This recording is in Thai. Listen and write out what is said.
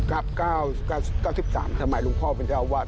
๙๙๓สมัยหลวงพ่อเป็นเจ้าอาวาส